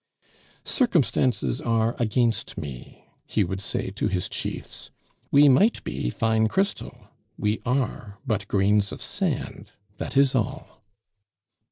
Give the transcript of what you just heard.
"Circumstances are against me," he would say to his chiefs. "We might be fine crystal; we are but grains of sand, that is all."